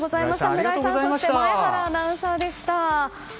村井さん前原アナウンサーでした。